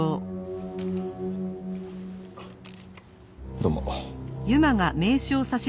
どうも。